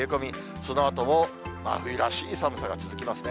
そのあとも真冬らしい寒さが続きますね。